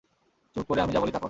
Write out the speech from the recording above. চুপ করে আমি যা বলি তা করো।